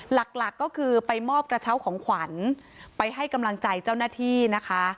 หลักหลักก็คือไปมอบกระเช้าของขวัญไปให้กำลังใจเจ้าหน้าที่นะคะ